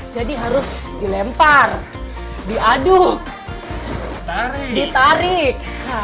jadi harus dilempar diaduk ditarik